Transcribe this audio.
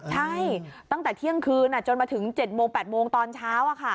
ใช่ตั้งแต่เที่ยงคืนจนมาถึง๗โมง๘โมงตอนเช้า